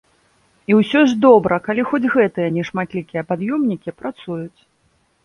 І ўсё ж добра, калі хоць гэтыя нешматлікія пад'ёмнікі працуюць.